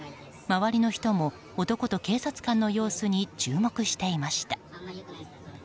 周りの人も男と警察官の様子に注目していました。